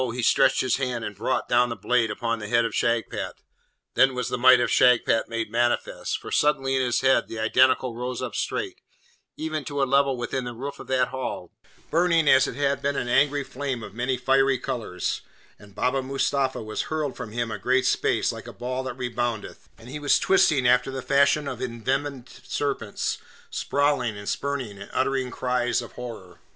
he stretched his hand and brought down the blade upon the head of Shagpat. Then was the might of Shagpat made manifest, for suddenly in his head the Identical rose up straight, even to a level with the roof of that hall, burning as it had been an angry flame of many fiery colours, and Baba Mustapha was hurled from him a great space like a ball that reboundeth, and he was twisting after the fashion of envenomed serpents, sprawling and spurning, and uttering cries of horror.